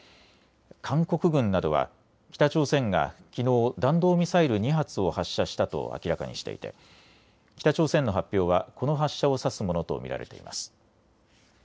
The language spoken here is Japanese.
韓国軍などは北朝鮮がきのう弾道ミサイル２発を発射したと明らかにしていて北朝鮮の発表はこの発射を指すものと見られています。